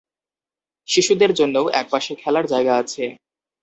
শিশুদের জন্যও এক পাশে খেলার জায়গা আছে।